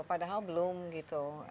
padahal belum gitu